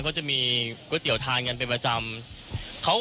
ก็จะมีก๋วยเตี๋ยวทานกันเป็นประจำ